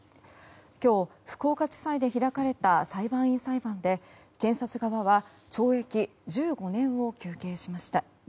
今日、福岡地裁で開かれた裁判員裁判で検察側は懲役１５年を求刑しました。